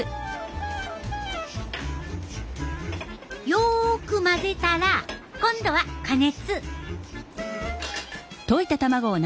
よく混ぜたら今度は加熱。